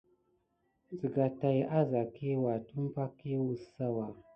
Siga tät a sa kiwua tumpay kiwu kesawa.